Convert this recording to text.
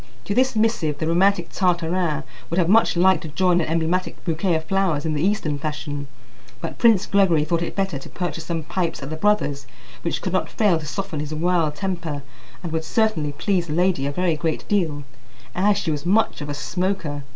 To this missive the romantic Tartarin would have much liked to join an emblematic bouquet of flowers in the Eastern fashion; but Prince Gregory thought it better to purchase some pipes at the brother's, which could not fail to soften his wild temper, and would certainly please the lady a very great deal, as she was much of a smoker.